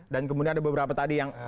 dan kemudian ada beberapa tadi yang